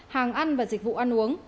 hàng ăn và dịch vụ ăn uống